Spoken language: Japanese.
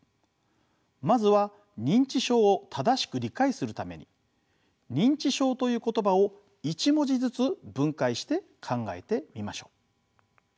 まずは認知症を正しく理解するために認知症という言葉を一文字ずつ分解して考えてみましょう。